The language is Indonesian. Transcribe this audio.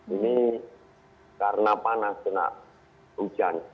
ini karena panas kena hujan